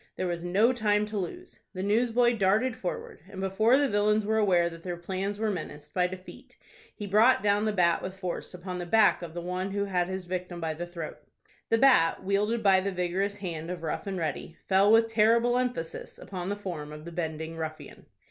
There was no time to lose. The newsboy darted forward, and before the villains were aware that their plans were menaced by defeat, he brought down the bat with force upon the back of the one who had his victim by the throat. The bat, wielded by the vigorous hand of Rough and Ready, fell with terrible emphasis upon the form of the bending ruffian.